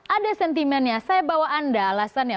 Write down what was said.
ada sentimennya saya bawa anda alasannya